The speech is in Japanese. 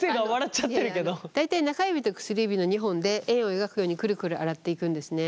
大体中指と薬指の２本で円を描くようにくるくる洗っていくんですね。